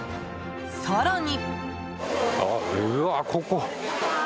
更に。